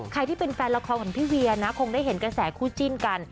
ใครที่เป็นแฟนละครของพี่เวียนะคงได้เห็นกระแสคู่จิ้นกัน